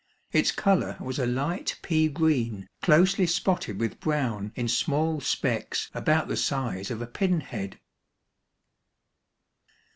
Its color was a "light pea green, closely spotted with brown in small specks about the size of a pinhead."